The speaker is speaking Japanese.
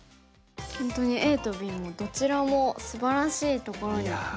本当にＡとＢもどちらもすばらしいところに見えますね。